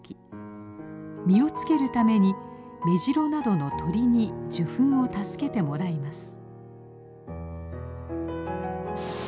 実をつけるためにメジロなどの鳥に受粉を助けてもらいます。